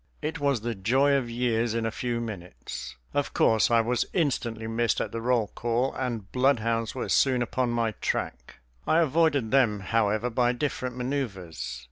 It was the joy of years in a few minutes. Of course I was instantly missed at the roll call, and bloodhounds were soon upon my track. I avoided them, however, by different maneuvers.